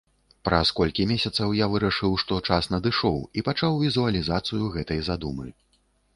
Праз колькі месяцаў я вырашыў, што час надышоў, і пачаў візуалізацыю гэтай задумы.